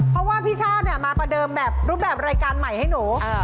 เพราะว่าพี่ชาติมาประเดิมแบบรูปแบบรายการใหม่ให้หนู